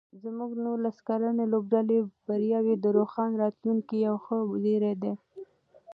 زموږ د نولس کلنې لوبډلې بریاوې د روښانه راتلونکي یو ښه زېری دی.